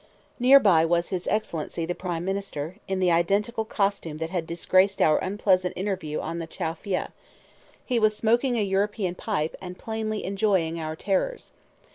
Near by was his Excellency the Prime Minister, in the identical costume that had disgraced our unpleasant interview on the Chow Phya; he was smoking a European pipe, and plainly enjoying our terrors.